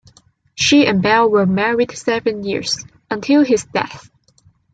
She and Bell were married seven years, until his death.